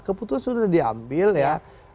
keputusan sudah diambil ya